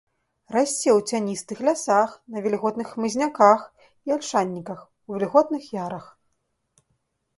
Расце ў цяністых лясах, на вільготных хмызняках і альшаніках, у вільготных ярах.